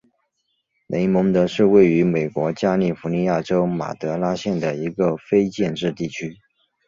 雷蒙德是位于美国加利福尼亚州马德拉县的一个非建制地区。